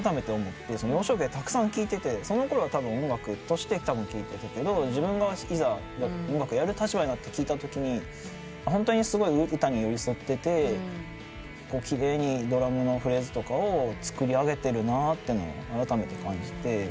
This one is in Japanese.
幼少期たくさん聴いててそのころはたぶん音楽として聴いてたけど自分がいざ音楽やる立場になって聴いたときにホントにすごい歌に寄り添ってて奇麗にドラムのフレーズとかを作りあげてるなとあらためて感じて。